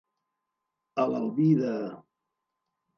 A l'albir de.